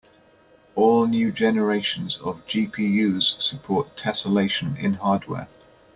All new generations of GPUs support tesselation in hardware.